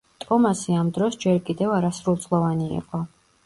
ტომასი ამ დროს ჯერ კიდევ არასრულწლოვანი იყო.